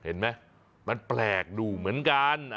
เห็นไหมมันแปลกดูเหมือนกัน